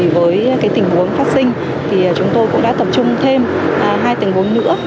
với tình huống phát sinh chúng tôi cũng đã tập trung thêm hai tình huống nữa